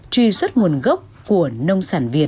truy xuất nguồn gốc của nông sản việt